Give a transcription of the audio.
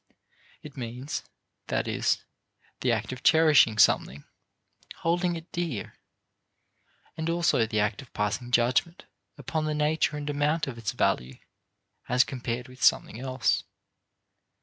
It means, that is, the act of cherishing something, holding it dear, and also the act of passing judgment upon the nature and amount of its value as compared with something else.